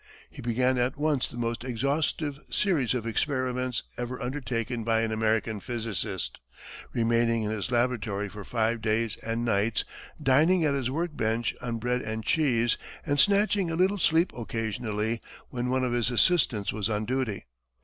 He began at once the most exhaustive series of experiments ever undertaken by an American physicist, remaining in his laboratory for five days and nights, dining at his work bench on bread and cheese, and snatching a little sleep occasionally, when one of his assistants was on duty.